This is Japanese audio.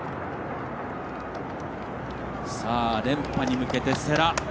連覇に向けて、世羅。